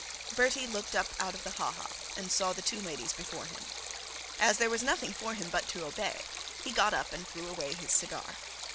Bertie looked up out of the ha ha, and saw the two ladies before him. As there was nothing for him but to obey, he got up and threw away his cigar.